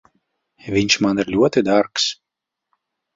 Viņš man ir ļoti dārgs.